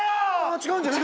違うんじゃない？